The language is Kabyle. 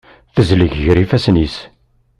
Tezleg ger ifassen-is.